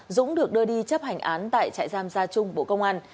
dũng được đưa đi chấp hành án tại trại giam gia trung bộ công an